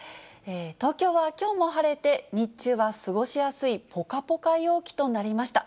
東京はきょうも晴れて、日中は過ごしやすいぽかぽか陽気となりました。